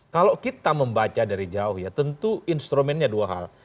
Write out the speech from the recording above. kalau kita membaca dari jauh ya tentu instrumennya dua hal